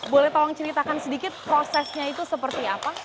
boleh tolong ceritakan sedikit prosesnya itu seperti apa